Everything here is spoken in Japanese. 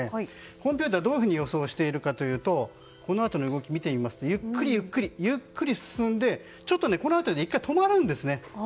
コンピューターはどう予想しているかといいますとこのあとの動きを見てみますとゆっくり進んでこのあと１回止まるんですね。